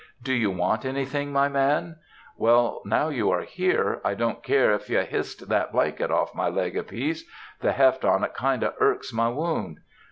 "Do you want anything, my man?" "Well, now you are there, I don't care if you h'ist that blanket off my leg a piece; the heft on't kind o' irks my wound."